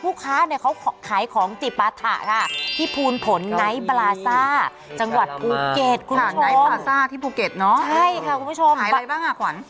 ภูเก็ตคุณผู้ชมใช่ค่ะคุณผู้ชมขายอะไรบ้างอ่ะขวัญ